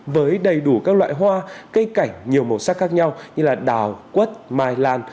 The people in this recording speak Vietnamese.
với đầy đủ các loại hoa cây cảnh nhiều màu sắc khác nhau như đào quất mai lan